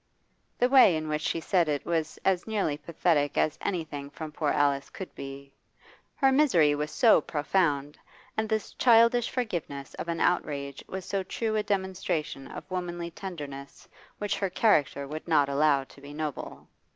The way in which she said it was as nearly pathetic as anything from poor Alice could be. Her misery was so profound, and this childish forgiveness of an outrage was so true a demonstration of womanly tenderness which her character would not allow to be noble.